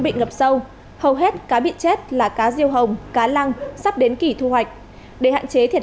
bị ngập sâu hầu hết cá bị chết là cá riêu hồng cá lăng sắp đến kỷ thu hoạch để hạn chế thiệt